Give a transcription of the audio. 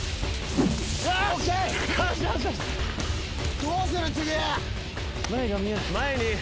どうする次？